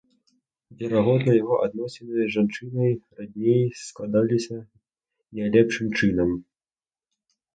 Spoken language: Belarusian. Верагодна яго адносіны з жончынай раднёй складваліся нялепшым чынам.